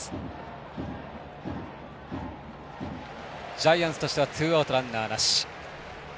ジャイアンツとしてはツーアウト、ランナーなし。